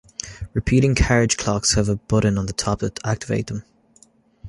Repeating carriage clocks have a button on the top to activate them.